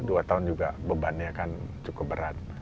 dua tahun juga bebannya kan cukup berat